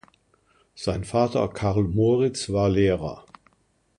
Sein Vater Karl Moritz war Lehrer.